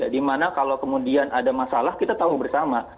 di mana kalau kemudian ada masalah kita tahu bersama